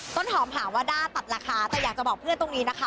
ต้นหอมหาว่าด้าตัดราคาแต่อยากจะบอกเพื่อนตรงนี้นะคะ